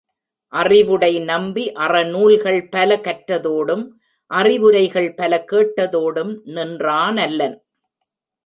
அறிவுடை நம்பி அறநூல்கள் பல கற்றதோடும், அறிவுரைகள் பல கேட்டதோடும் நின்றானல்லன்.